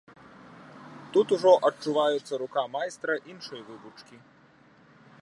Тут ужо адчуваецца рука майстра іншай вывучкі.